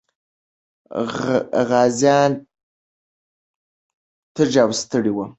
غازيان تږي او ستړي وو.